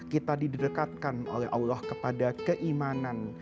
kita didekatkan oleh allah kepada keimanan